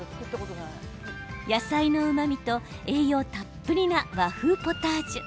野菜のうまみと栄養たっぷりな和風ポタージュ。